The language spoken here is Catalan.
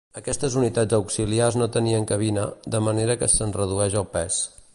Aquestes unitats auxiliars no tenien cabina, de manera que se'n redueix el pes.